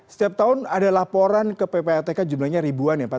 setiap tahun ada laporan ke ppatk jumlahnya ribuan ya pak